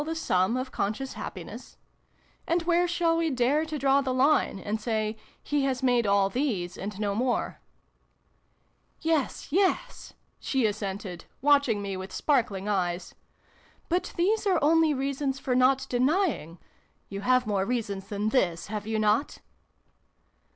the sum of conscious happiness ? And where shall we dare to draw the line, and say ' He has made all these and no more '?"" Yes, yes !" she assented, watching me with sparkling eyes. " But these are only reasons for not denying. You have more reasons than this, have you not